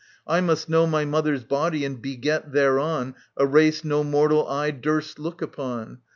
I must know My mother's body and beget thereon A race no mortal eye durst look upon.